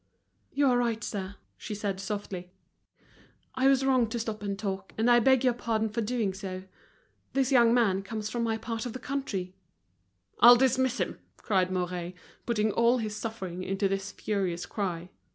"You are right, sir," he said, softly, "I was wrong to stop and talk, and I beg your pardon for doing so. This young man comes from my part of the country." "I'll dismiss him!" cried Mouret, putting all his suffering into this furious cry.